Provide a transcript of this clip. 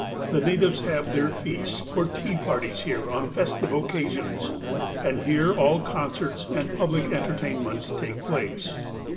The natives have their feasts or tea parties here on festive occasions, and here all concerts and public entertainments take jjlace.